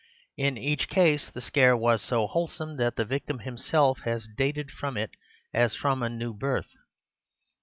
In each case the scare was so wholesome that the victim himself has dated from it as from a new birth.